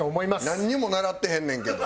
なんにも習ってへんねんけど。